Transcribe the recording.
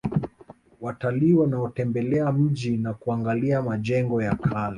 Watalii wanaotembelea mji na kuangalia majengo ya kale